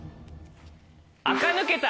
「あか抜けた」